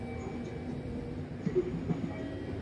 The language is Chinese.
所以辐照肿胀是核燃料棒寿命的限制因素之一。